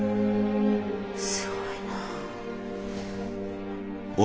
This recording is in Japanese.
すごいな。